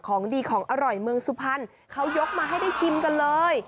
ของดีของอร่อยเมืองสุพรรณเขายกมาให้ได้ชิมกันเลย